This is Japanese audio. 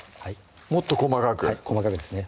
もっと細かく細かくですね